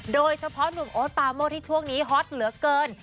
โดยเฉพาะวีทีนี้ฮอตเหลือเกิน